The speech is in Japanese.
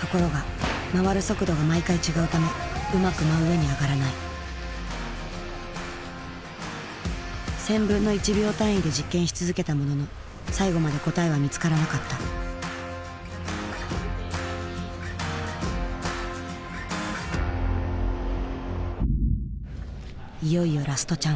ところが回る速度が毎回違うためうまく真上に上がらない１，０００分の１秒単位で実験し続けたものの最後まで答えは見つからなかったいよいよラストチャンス。